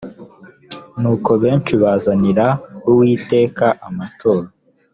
nuko benshi bazanira uwiteka amaturo